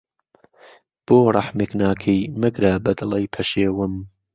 بۆ رهحمێک ناکهی، مهگره، به دڵهی پهشێوم